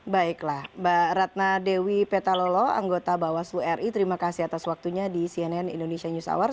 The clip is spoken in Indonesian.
baiklah mbak ratna dewi petalolo anggota bawaslu ri terima kasih atas waktunya di cnn indonesia news hour